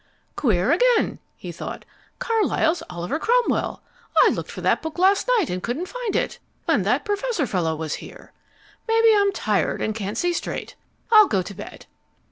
"Queer again," he thought. "Carlyle's Oliver Cromwell! I looked for that book last night and couldn't find it. When that professor fellow was here. Maybe I'm tired and can't see straight. I'll go to bed."